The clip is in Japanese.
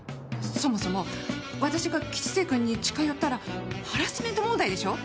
そもそも私が吉瀬君に近寄ったらハラスメント問題でしょ。